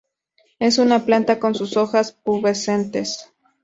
Es una planta con sus hojas pubescentes.